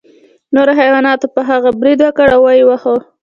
نورو حیواناتو په هغه برید وکړ او ویې واهه.